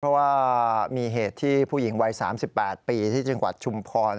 เพราะว่ามีเหตุที่ผู้หญิงวัย๓๘ปีที่จังหวัดชุมพร